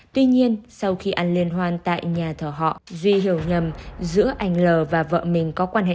tuy nhiên sau khi ăn liên hoan tại nhà thờ họ duy hiểu nhầm giữa anh l và vợ mình có quan hệ